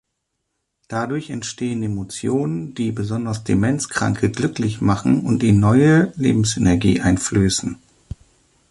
Dadurch entstehen Emotionen, die besonders Demenzkranke glücklich machen und ihnen neue Lebensenergie einflößen.